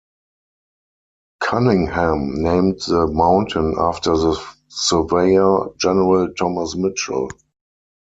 Cunningham named the mountain after the Surveyor-General, Thomas Mitchell.